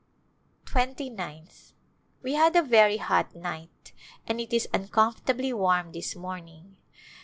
Tiventy ninth. We had a very hot night and it is uncomfortably warm this morning.